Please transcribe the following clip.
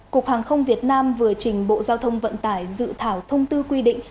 cục hàng không việt nam vừa trình bộ giao thông vận tải dự thảo thông tư quy định